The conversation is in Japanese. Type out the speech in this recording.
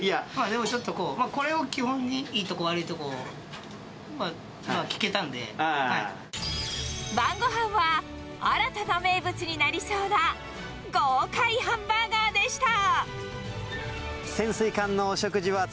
でもこれを基本にいいとこ、悪いとこ、晩ごはんは、新たな名物になりそうな豪快ハンバーガーでした。